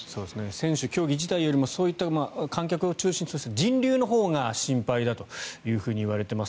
選手、競技自体よりもそういった観客を中心にそして人流のほうが心配だといわれています。